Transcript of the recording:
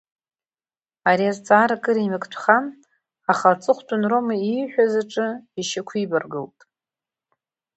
Ари азҵаара кыр еимактәхан, аха аҵыхәтәан Рома ииҳәаз аҿы ишьақәибаргылт.